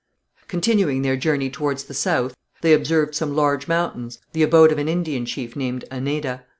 Continuing their journey towards the south they observed some large mountains, the abode of an Indian chief named Aneda.